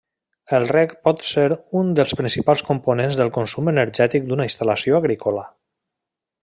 El reg pot ser un dels principals components del consum energètic d'una instal·lació agrícola.